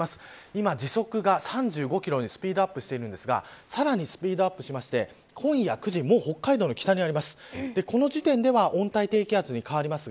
今時速３５キロにスピードアップしていますがさらにスピードアップして午後６時に北海道に着きます。